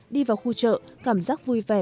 đi vào khu chợ cảm giác vui vẻ